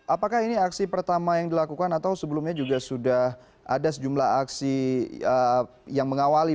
apakah ini aksi pertama yang dilakukan atau sebelumnya juga sudah ada sejumlah aksi yang mengawali